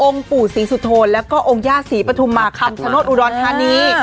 ปู่ศรีสุโธนแล้วก็องค์ย่าศรีปฐุมมาคำชโนธอุดรธานี